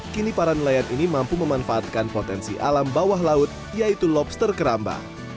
kini para nelayan ini mampu memanfaatkan potensi alam bawah laut yaitu lobster keramba